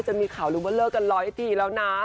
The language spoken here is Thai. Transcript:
จะมีข่าวลืมว่าเลิกกันร้อยทีแล้วนะ